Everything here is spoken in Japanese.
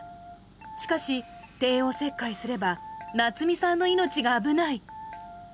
しかし、帝王切開すれば、夏美さんの命が危ない。